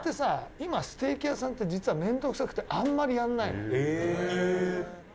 今、ステーキ屋さんって実は、面倒くさくてあんまりやらないのよ。